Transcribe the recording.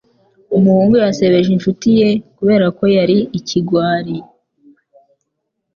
Umuhungu yasebeje inshuti ye kubera ko yari ikigwari.